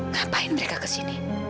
ngapain mereka kesini